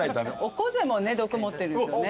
オコゼも毒持ってるんですよね。